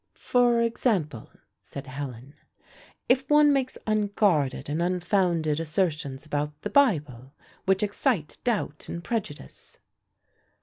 '" "For example," said Helen, "if one makes unguarded and unfounded assertions about the Bible, which excite doubt and prejudice."